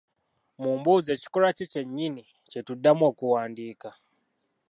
Mu mboozi ekikolwa kye nnyini kye tuddamu okuwandiika